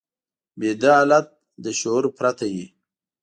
ویده حالت له شعور پرته وي